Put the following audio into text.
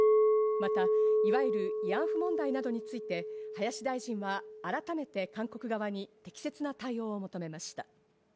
また、いわゆる慰安婦問題などについて林大臣は改めて韓国側に適切な対応を求めました。